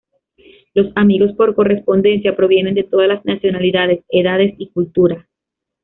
Los "amigos por correspondencia" provienen de todas las nacionalidades, edades y culturas.